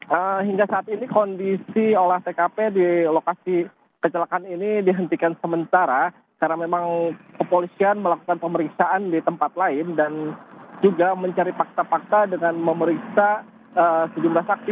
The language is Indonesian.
nah hingga saat ini kondisi olah tkp di lokasi kecelakaan ini dihentikan sementara karena memang kepolisian melakukan pemeriksaan di tempat lain dan juga mencari fakta fakta dengan memeriksa sejumlah saksi